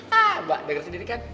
hah mba denger sendiri kan